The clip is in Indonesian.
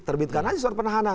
terbitkan aja surat penahanan